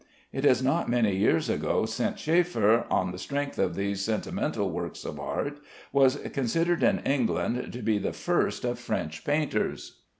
It is not many years ago since Schäffer, on the strength of these sentimental works of art, was considered in England to be the first of French painters.